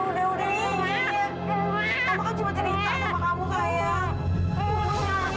kalau dia gak ada jualan